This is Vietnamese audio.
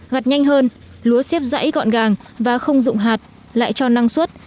gặt nhanh hơn lúa xếp rẫy gọn gàng và không dụng hạt lại cho năng suất